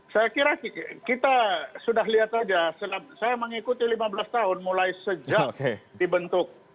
saya kira kita sudah lihat saja saya mengikuti lima belas tahun mulai sejak dibentuk